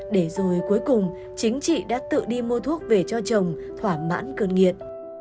để rồi cuối cùng chính chị đã tự đi mua thuốc về cho chồng thỏa mãn cơn nghiện